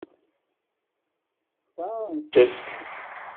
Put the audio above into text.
Xtaṛent-tt?